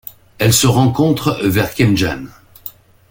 Elle se rencontre vers Kaimganj.